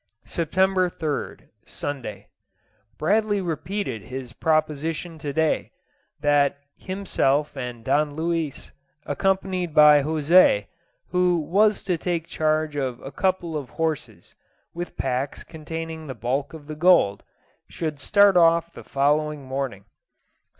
September 3rd, Sunday. Bradley repeated his proposition to day, that himself and Don Luis, accompanied by José, who was to take charge of a couple of horses, with packs containing the bulk of the gold, should start off the following morning.